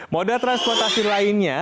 modal transportasi lainnya